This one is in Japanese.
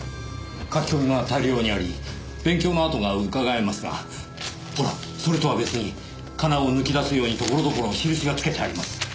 書き込みが多量にあり勉強の跡がうかがえますがほらそれとは別にかなを抜き出すようにところどころ印がつけてあります。